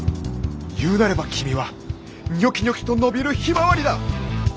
言うなれば君はニョキニョキと伸びるヒマワリだ！